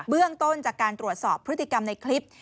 เรื่องต้นจากการตรวจสอบพฤติกรรมในคลิป